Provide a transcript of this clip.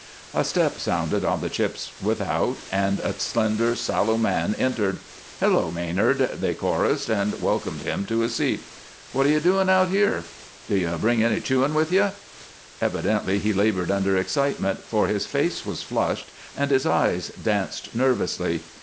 A step sounded on the chips without, and a slender, sallow man entered. "Hello, Maynard!" they chorused, and welcomed him to a seat. "What are you doing out here?" "D'you bring any chewing with you?" Evidently he labored under excitement, for his face was flushed and his eyes danced nervously.